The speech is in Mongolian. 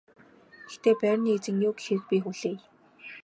Гэхдээ байрны эзэн юу гэхийг би хүлээе.